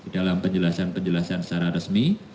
dalam penjelasan penjelasan secara resmi